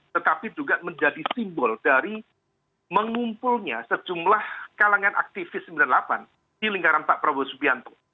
tetapi juga menjadi simbol dari mengumpulnya sejumlah kalangan aktivis sembilan puluh delapan di lingkaran pak prabowo subianto